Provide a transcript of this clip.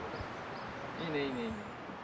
いいねいいねいいね。